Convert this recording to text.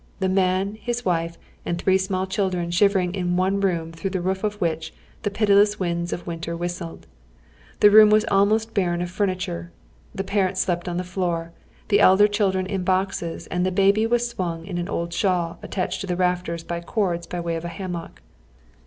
The man, his wife, and three small children shivering in one room through the roof of which the pitiless winds of winter whistled. The room was al most barren of furniture ; the parents slept on the floor, the elder children in boxes, and the baby was swung in an old shawl attached to the raftei's by cords by way of a ham mock.